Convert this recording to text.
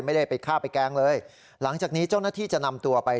ไม่ได้ไปฆ่าไปแกล้งเลยหลังจากนี้เจ้าหน้าที่จะนำตัวไป